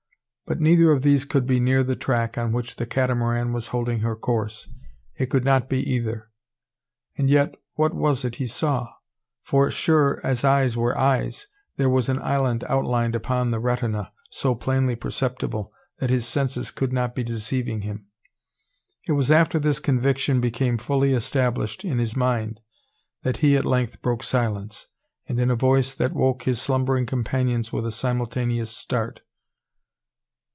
But neither of these could be near the track on which the Catamaran was holding her course. It could not be either. And yet what was it he saw? for, sure as eyes were eyes, there was an island outlined upon the retina, so plainly perceptible, that his senses could not be deceiving him! It was after this conviction became fully established in his mind, that he at length broke silence; and in a voice that woke his slumbering companions with a simultaneous start.